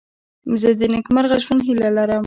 زه د نېکمرغه ژوند هیله لرم.